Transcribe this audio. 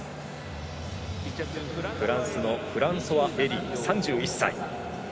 フランスのフランソワエリー、３１歳。